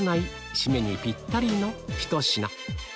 締めにぴったりのひと品